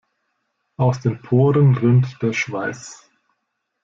Aus den Poren rinnt der Schweiß.